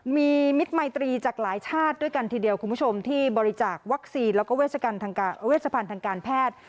มีมิตรมัยตรีจากหลายชาติด้วยกันทีเดียวคุณผู้ชมที่บริจาควัคซีนแล้วก็เวชพันธ์ทางการแพทย์